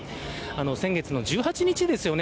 先月の１８日ですよね。